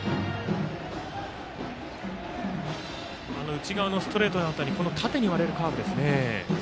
内側のストレートだったり縦に割れるカーブですね。